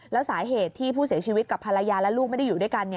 แล้วสาเหตุที่ผู้เสียชีวิตกับภรรยาและลูกไม่ได้อยู่ด้วยกัน